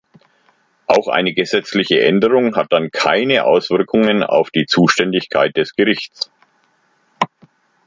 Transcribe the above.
Auch eine gesetzliche Änderung hat dann keine Auswirkungen auf die Zuständigkeit des Gerichts.